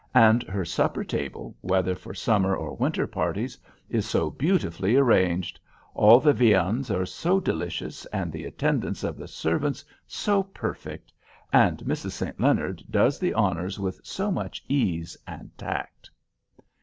And her supper table, whether for summer or winter parties, is so beautifully arranged; all the viands are so delicious, and the attendance of the servants so perfect—and Mrs. St. Leonard does the honors with so much ease and tact."